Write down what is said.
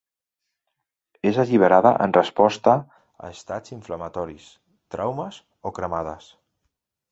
És alliberada en resposta a estats inflamatoris, traumes o cremades.